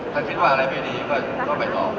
ถ้าคิดว่าอะไรไม่ดีก็ไปต่อ